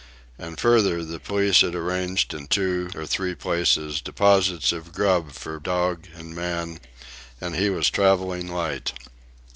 And further, the police had arranged in two or three places deposits of grub for dog and man, and he was travelling light.